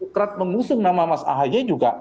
kerap mengusung nama mas ahy juga